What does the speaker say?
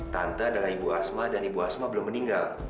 tante dengan ibu asma dan ibu asma belum meninggal